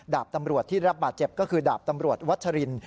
ดาบตำรวจที่รับบาดเจ็บก็คือดาบตำรวจวัชริน